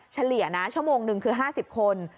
เฉลี่ยนะชั่วโมงหนึ่งคือ๕๐คน